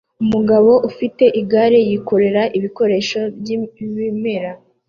Umugabo ufite igare yikoreza ibikoresho byibimera